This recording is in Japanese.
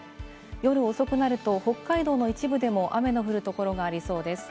夜遅くなると北海道の一部でも雨の降るところがありそうです。